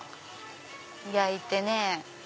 焼いてね。